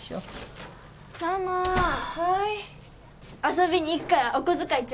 遊びに行くからお小遣いちょうだい。